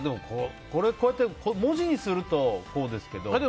こうやって文字にするとこうですけど。